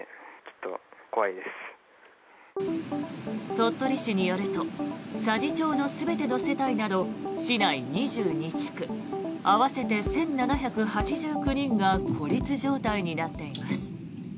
鳥取市によると佐治町の全ての世帯など市内２２地区合わせて１７８９人が孤立状態になっています。